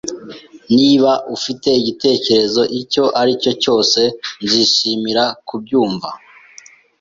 Niba ufite igitekerezo icyo ari cyo cyose, nzishimira kubyumva.